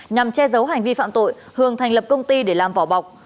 nhằm che giấu hành vi phạm tội hường thành lập công ty để làm vỏ bọc